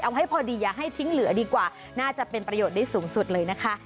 เอาให้พอดีอย่าให้ทิ้งเหลือดีกว่าน่าจะเป็นประโยชน์ได้สูงสุดเลยนะคะ